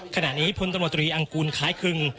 ขณะนี้พลตำรวจตรีอังกูลคล้ายคึง